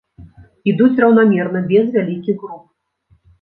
Ідуць раўнамерна, без вялікіх груп.